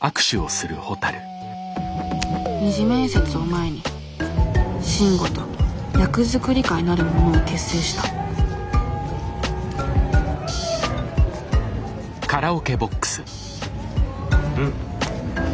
二次面接を前に慎吾と役作り会なるものを結成したん？